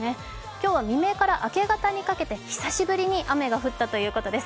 今日は未明から明け方にかけて久しぶりに雨が降ったということです。